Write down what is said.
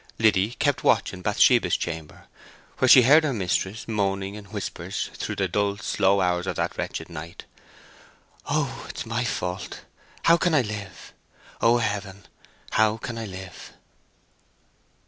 Liddy kept watch in Bathsheba's chamber, where she heard her mistress, moaning in whispers through the dull slow hours of that wretched night: "Oh it is my fault—how can I live! O Heaven, how can I live!"